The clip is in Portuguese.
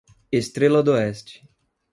Estrela d'Oeste